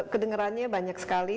kedengerannya banyak sekali